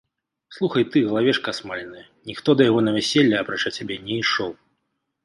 Слухай ты, галавешка асмаленая, ніхто да яго на вяселле, апрача цябе, не ішоў.